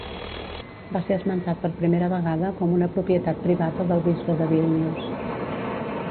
Va ser esmentat per primera vegada com una propietat privada del bisbe de Vílnius.